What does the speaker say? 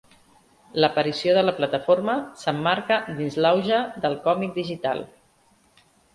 L'aparició de la plataforma s'emmarca dins l'auge del còmic digital.